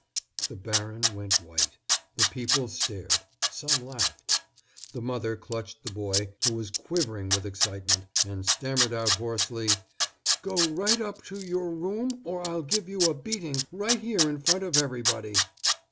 The baron went white, the people stared, some laughed. The mother clutched the boy, who was quivering with excitement, and stammered out hoarsely: "Go right up to your room, or I'll give you a beating right here in front of everybody."